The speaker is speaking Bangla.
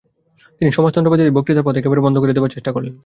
তিনি সমাজতন্ত্রবাদীদের বক্তৃতার পথ একেবারে বন্ধ করে দেবার চেষ্টা করলেন।